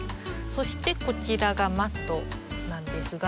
そしてこちらがマットなんですが。